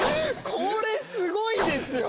これすごいですよ。